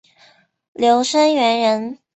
刘声元人。